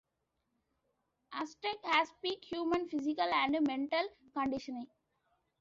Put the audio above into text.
Aztek has peak human physical and mental conditioning.